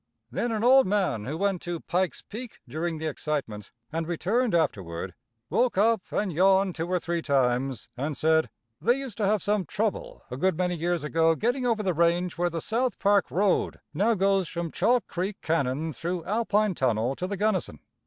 Then an old man who went to Pike's Peak during the excitement and returned afterward, woke up and yawned two or three times, and said they used to have some trouble, a good many years ago getting over the range where the South Park road now goes from Chalk Creek Canon through Alpine Tunnel to the Gunnison.